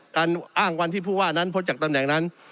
การอ้างวันที่ผู้ว่านั้นพ้นจากตำแหน่งนั้น